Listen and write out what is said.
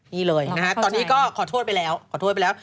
นี่เลยตอนนี้ก็ขอโทษไปแล้ว